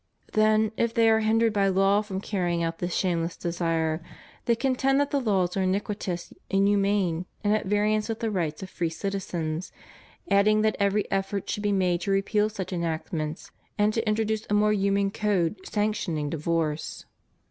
Then, if they are hindered by law from carrying out this shameless desire, they contend that the laws are iniquitous, inhuman, and at variance with the rights of free citizens; adding that every effort should be made to repeal such enactments, and to introduce a more humane code sanc tioning divorce.